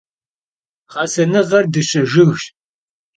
Ğesenığer dışe jjıgş.